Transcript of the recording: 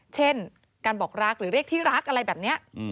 เช่นการบอกรักหรือเรียกที่รักอะไรแบบนี้